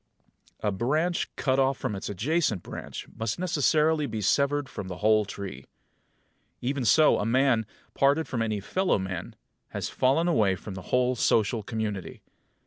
A branch cut off from its adjacent branch must necessarily be severed from the whole tree. Even so a man, parted from any fellow man, has fallen away from the whole social community.